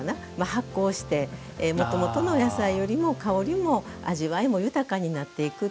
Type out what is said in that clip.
発酵してもともとの野菜よりも香りも味わいも豊かになっていく。